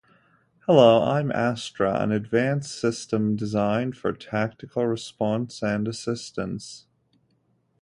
Hello, I'm Astra, an advanced system designed for tactical response and assistance.